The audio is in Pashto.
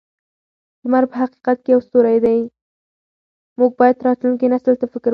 موږ باید راتلونکي نسل ته فکر وکړو.